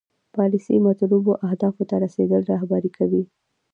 پالیسي مطلوبو اهدافو ته رسیدل رهبري کوي.